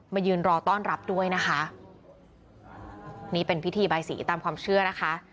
ยืนรอต้อนรับด้วยนะคะนี่เป็นพิธีใบสีตามความเชื่อนะคะ